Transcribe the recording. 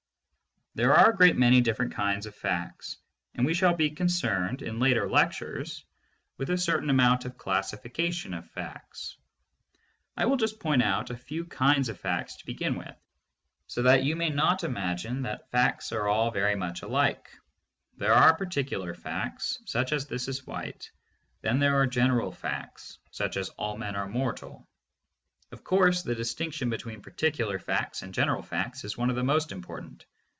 There are a great many different kinds of facts, and we shall be concerned in later lectures with a certain amount of classification of facts. I will just point out a few kinds of facts to begin with, so that you may not imagine that facts are all very much alike. There are particular facts, such as "This is white"; then there are general facts, such as "All men are mortal." Of course, the distinction between particular and general facts is one of the most important.